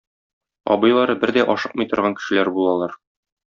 Абыйлары бер дә ашыкмый торган кешеләр булалар.